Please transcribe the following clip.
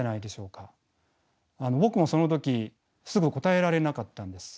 僕もその時すぐ答えられなかったんです。